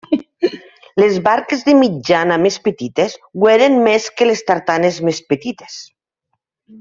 Les barques de mitjana més petites ho eren més que les tartanes més petites.